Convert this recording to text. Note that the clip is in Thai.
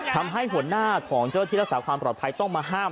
ทำให้หัวหน้าของเจ้าที่รักษาความปลอดภัยต้องมาห้าม